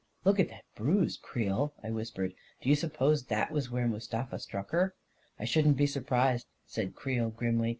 " Look at that bruise, Creel," I whispered. " Do you suppose that was where Mustafa struck her?" " I shouldn't be surprised," said Creel, grimly.